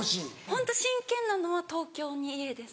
ホント真剣なのは東京に家です。